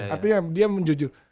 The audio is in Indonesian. artinya dia menjujur